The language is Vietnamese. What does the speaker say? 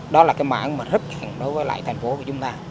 đó là cái mảng mà rất hẳn đối với lại thành phố của chúng ta